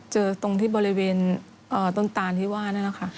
ตรงที่บริเวณต้นตานที่ว่านั่นแหละค่ะ